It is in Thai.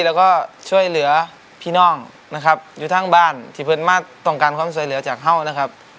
แล้วก็ช่วยเหลือพี่น้องนะครับอยู่ทั้งบ้านที่เพื่อนมาสต้องการความช่วยเหลือจากเฮ่านะครับ